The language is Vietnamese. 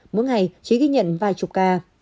mỗi ngày chỉ ghi nhận vài chục ca